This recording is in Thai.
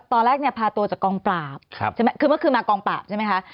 ตอนแรกเนี่ยพาตัวจากกองปราบใช่ไหมคือเมื่อคืนมากองปราบใช่ไหมคะ